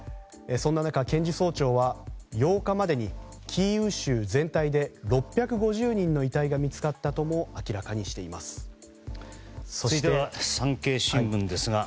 そんな中、検事総長は８日までにキーウ州全体で６５０人の遺体が見つかったとも明らかにしています。